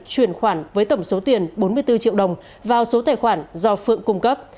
chuyển khoản với tổng số tiền bốn mươi bốn triệu đồng vào số tài khoản do phượng cung cấp